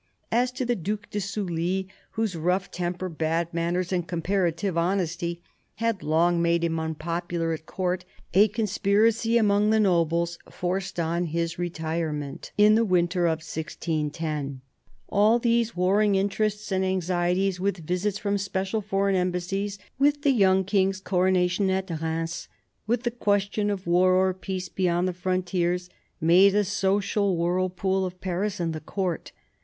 As to the Due de Sully, whose rough temper, bad manners and comparative honesty had long made him unpopular at Court, a conspiracy among the nobles forced on his retirement in the winter of 1610. All these warring interests and anxieties, with visits from special foreign embassies, with the young King's coronation at Rheims, with the question of war or peace beyond the frontiers, made a social whirlpool of Paris and the Court.